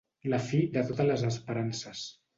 La fi de totes les esperances.